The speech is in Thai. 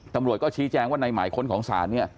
ตำรวจก็ชี้แจงว่าในหมายค้นของศาลเนี่ย